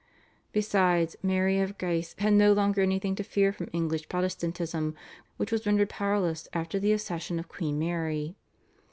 Besides, Mary of Guise had no longer anything to fear from English Protestantism, which was rendered powerless after the accession of Queen Mary.